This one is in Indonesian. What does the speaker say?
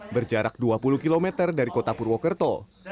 berjarak dua puluh km dari kota purwokerto